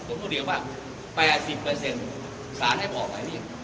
ผมต้องเรียกว่า๘๐สารให้ออกหมายนี้